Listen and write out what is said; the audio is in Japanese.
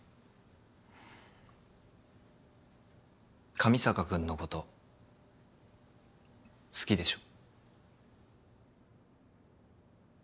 上坂君のこと好きでしょ？